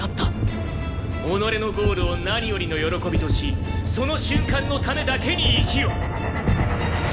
己のゴールを何よりの喜びとしその瞬間のためだけに生きろ！